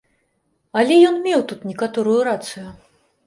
Але ён меў тут некаторую рацыю.